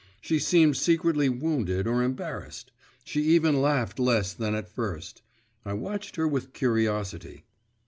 She seemed secretly wounded or embarrassed; she even laughed less than at first. I watched her with curiosity.